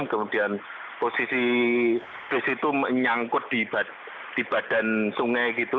kemudian posisi bus itu menyangkut di badan sungai gitu